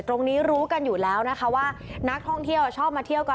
รู้กันอยู่แล้วนะคะว่านักท่องเที่ยวชอบมาเที่ยวกัน